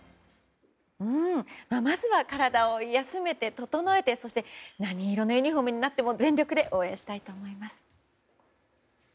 まずは体を休めて整えてそして何色のユニホームになっても全力で応援したいと思います。